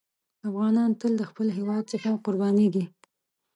افغانان تل د خپل هېواد څخه قربانېږي.